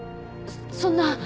そんな。